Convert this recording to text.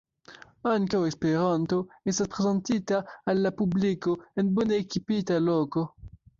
Ankaŭ Esperanto estas prezentita al la publiko en bone ekipita loko.